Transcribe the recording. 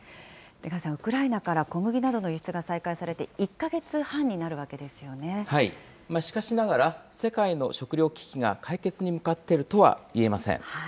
出川さん、ウクライナから小麦などの輸出が再開されて１か月半にしかしながら、世界の食糧危機が解決に向かっているとはいえません。